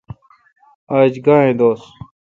آج گاں اے° دوس؟